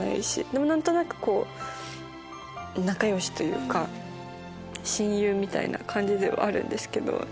でも何となく仲良しというか親友みたいな感じではあるんですけど。